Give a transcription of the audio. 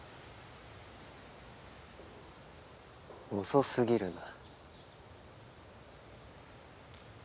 遅すぎるな。